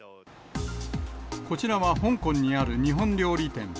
こちらは香港にある日本料理店。